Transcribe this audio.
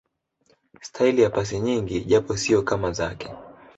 staili ya pasi nyingi japo siyo kama zake